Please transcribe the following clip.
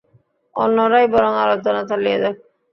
অন্যরাই বরং আলোচনা চালিয়ে যাক।